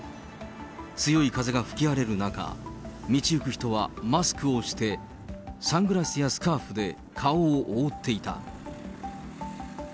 強い風が吹き荒れる中、道行く人はマスクをして、サングラスやスカーフで顔を覆っていた。